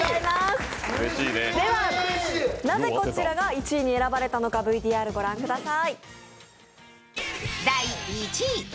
なぜこちらが１位に選ばれたのか、ＶＴＲご覧ください。